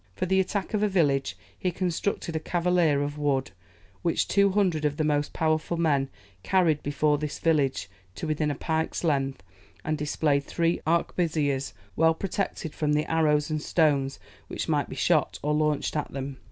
For the attack of a village, he constructed a cavalier of wood, which 200 of the most powerful men "carried before this village to within a pike's length, and displayed three arquebusiers well protected from the arrows and stones which might be shot or launched at them."